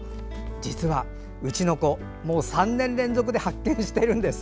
実はうちの子もう３年連続で発見している院です。